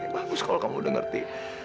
bagus kalau kamu udah ngerti